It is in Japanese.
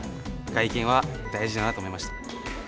外見は大事だなと思いました。